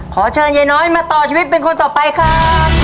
ขอเชิญยายน้อยมาต่อชีวิตเป็นคนต่อไปครับ